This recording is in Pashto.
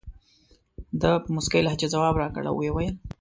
ده په موسکۍ لهجه ځواب راکړ او وویل.